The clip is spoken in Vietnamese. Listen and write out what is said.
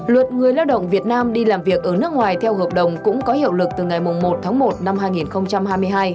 luật người lao động việt nam đi làm việc ở nước ngoài theo hợp đồng cũng có hiệu lực từ ngày một tháng một năm hai nghìn hai mươi hai